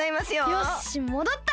よしもどった！